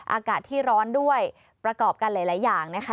อากาศที่ร้อนด้วยประกอบกันหลายอย่างนะคะ